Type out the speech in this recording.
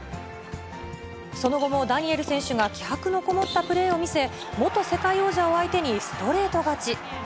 その後もダニエル選手が気迫のこもったプレーを見せ、元世界王者を相手にストレート勝ち。